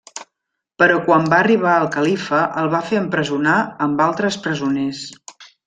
Però quan va arribar el Califa el va fer empresonar amb altres presoners.